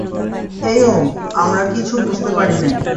এই ওম, আমরা কিছু বুঝতে পারিনাই।